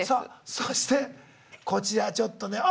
そしてこちらちょっとねあ！